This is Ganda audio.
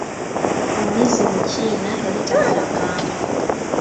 Omuyizi mu kiina yali tanavaamu.